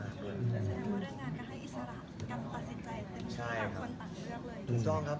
ถูกต้องครับ